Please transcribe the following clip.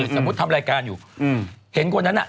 สมมุติทำรายการอยู่เห็นคนนั้นน่ะ